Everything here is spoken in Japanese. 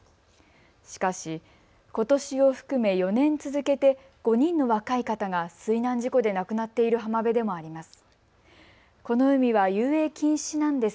しかし、ことしを含め４年続けて５人の若い方が水難事故で亡くなっている浜辺でもあります。